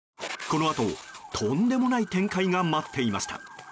このあと、とんでもない展開が待っていました。